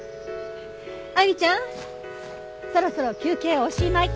亜美ちゃんそろそろ休憩おしまい。